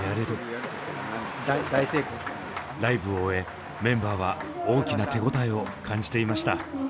ライブを終えメンバーは大きな手応えを感じていました。